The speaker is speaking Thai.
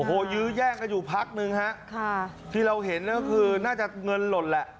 โอ้โหยื้อแย่งกันอยู่พักนึงฮะค่ะที่เราเห็นก็คือน่าจะเงินหล่นแหละ